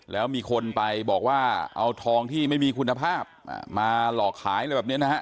แล้วมีคนไปบอกว่าเอาทองที่ไม่มีคุณภาพมาหลอกขายอะไรแบบนี้นะฮะ